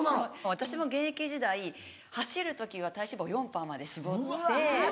私も現役時代走る時は体脂肪４％まで絞って。